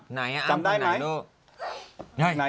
ไหนอ้ามคนไหนลูกจำได้ไหมไหนดูสิลำคาญ